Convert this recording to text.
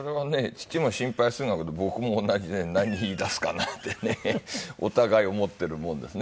父も心配するような事僕も同じで何言い出すかなってねお互い思っているもんですね。